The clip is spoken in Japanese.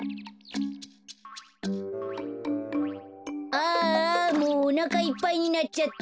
ああもうおなかいっぱいになっちゃった。